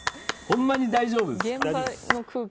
ほんまに大丈夫ですか？